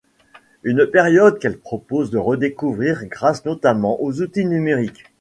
Une période qu’elle propose de redécouvrir grâce notamment aux outils numériques.